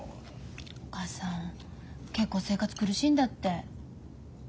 お母さん結構生活苦しいんだって。